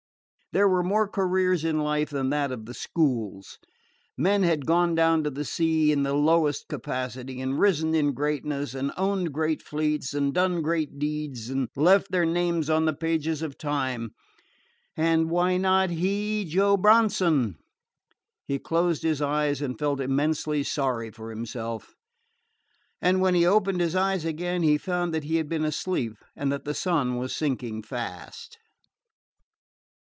There were more careers in life than that of the schools. Men had gone down to the sea in the lowest capacity, and risen in greatness, and owned great fleets, and done great deeds, and left their names on the pages of time. And why not he, Joe Bronson? He closed his eyes and felt immensely sorry for himself; and when he opened his eyes again he found that he had been asleep, and that the sun was sinking fast.